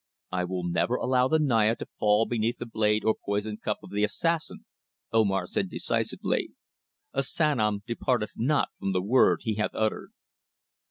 "I will never allow the Naya to fall beneath the blade or poison cup of the assassin," Omar said decisively. "A Sanom departeth not from the word he hath uttered."